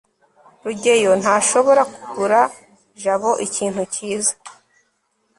rugeyo ntashobora kugura jabo ikintu cyiza